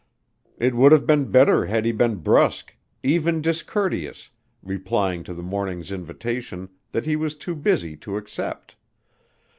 It would have been better had he been brusque, even discourteous, replying to the morning's invitation that he was too busy to accept.